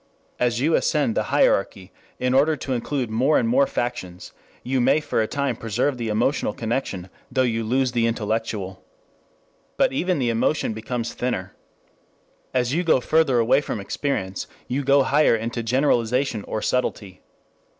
As you ascend the hierarchy in order to include more and more factions you may for a time preserve the emotional connection though you lose the intellectual. But even the emotion becomes thinner. As you go further away from experience, you go higher into generalization or subtlety.